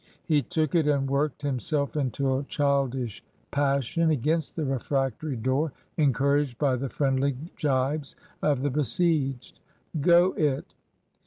He took it, and worked himself into a childish passion against the refractory door, encouraged by the friendly gibes of the besieged. "Go it!"